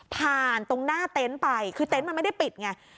ตรงหน้าเต็นต์ไปคือเต็นต์มันไม่ได้ปิดไง